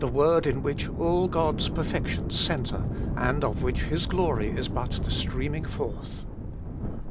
word in which all God's perfections centre, and of which His glory is but the streaming forth.